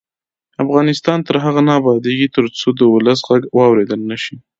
افغانستان تر هغو نه ابادیږي، ترڅو د ولس غږ واوریدل نشي.